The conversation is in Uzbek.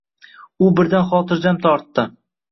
U birdan xotiijam tortdi: